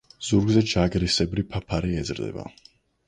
ზურგზე ჯაგრისებრი ფაფარი ეზრდება.